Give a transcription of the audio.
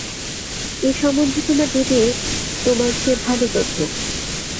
এ সম্মন্ধে তোমার দিদি তোমার চেয়ে ভালো বোঝেন।